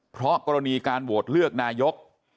เพราะกรณีการโหวตเลือกนายก